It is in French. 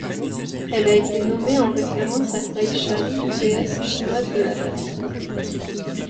Elle a été nommée en référence à Tai Shan, déesse chinoise de la fertilité.